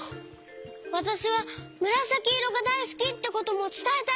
「わたしはむらさきいろがだいすき」ってこともつたえたい！